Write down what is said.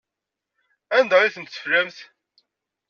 Anda ay ten-teflamt?